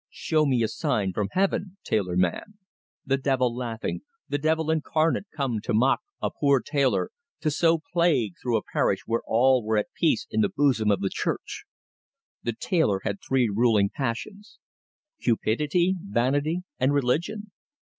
Show me a sign from Heaven, tailor man!" The devil laughing the devil incarnate come to mock a poor tailor, to sow plague through a parish where all were at peace in the bosom of the Church. The tailor had three ruling passions cupidity, vanity, and religion.